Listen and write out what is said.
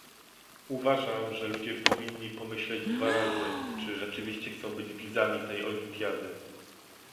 Uważam, że ludzie powinni pomyśleć dwa razy, czy rzeczywiście chcą być widzami tej Olimpiady